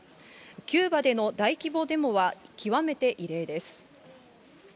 キューバでの大規模デモは、極めて異例です。